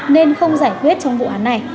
nên không giải quyết trong vụ án này